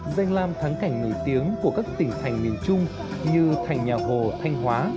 danh lam thắng cảnh nổi tiếng của các tỉnh thành miền trung như thành nhà hồ thanh hóa